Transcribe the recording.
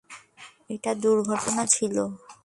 এটা দূর্ঘটনা ছিল।